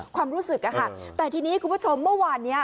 ความรู้สึกอะค่ะแต่ทีนี้คุณผู้ชมเมื่อวานนี้